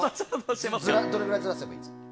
どれぐらいずらせばいいですか？